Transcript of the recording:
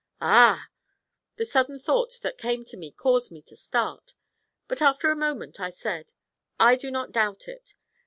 'Ah!' the sudden thought that came to me caused me to start; but after a moment I said: 'I do not doubt it.